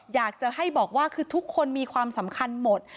อยากจะให้บอกว่าคือทุกคนมีความสำคัญหมด